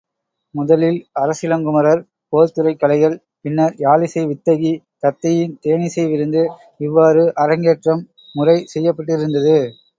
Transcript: முதலில் அரசிளங்குமரர் போர்த்துறைக் கலைகள், பின்னர் யாழிசை வித்தகி தத்தையின் தேனிசை விருந்து இவ்வாறு அரங்கேற்றம் முறை செய்யப்பட்டிருந்தது.